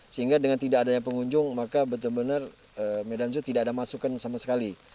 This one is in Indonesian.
sehingga dengan tidak adanya pengunjung maka betul benar medan z tidak ada masukan sama sekali